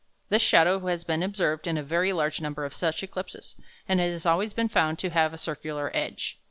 This shadow has been observed in a very large number of such eclipses, and it has always been found to have a circular edge.